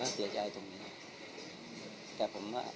พ่ออาจารย์ทราบว่ามีการคุยแพร่คลิปลงโซเชียล